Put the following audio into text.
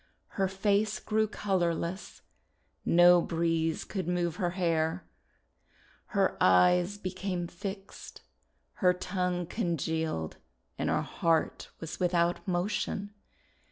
Her face grew color less. No breeze could move her hair. Her eyes became fixed. Her tongue congealed and her heart was without motion.